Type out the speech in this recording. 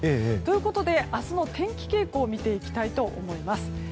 そこで明日の天気傾向を見ていきたいと思います。